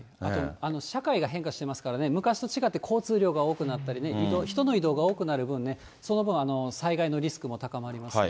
社会が変化してますからね、昔と違って交通量が多くなったり、人の移動が多くなる分ね、その分、災害のリスクも高まりますね。